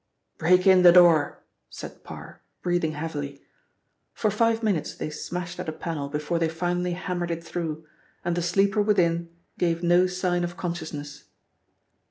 "Break in the door," said Parr, breathing heavily. For five minutes they smashed at a panel before they finally hammered it through, and the sleeper within gave no sign of consciousness.